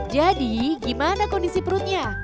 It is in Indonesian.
jadi gimana kondisi perutnya